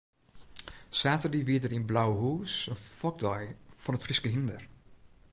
Saterdei wie der yn Blauhûs in fokdei fan it Fryske hynder.